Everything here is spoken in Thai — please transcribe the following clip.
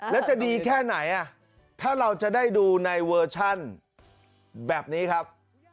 แล้วจะดีแค่ไหนถ้าเราจะได้ดูในเวอร์ชันแบบนี้ครับ